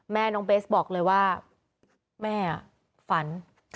น้องเบสบอกเลยว่าแม่ฝัน